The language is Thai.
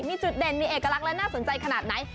มีจุดเด่นมีเอกลักษณ์และน่าสนใจขนาดไหน